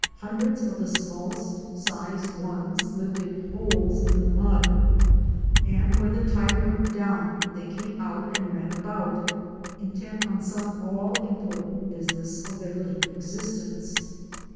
Hundreds of the smallest sized ones lived in holes in the mud, and when the tide went down they came out and ran about — intent on some all important busi ness of their little existence.